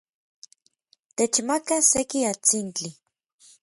Techmaka seki atsintli.